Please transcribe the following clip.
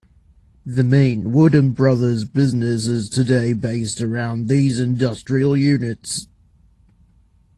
The main Woodham Brothers business is today based around these industrial units.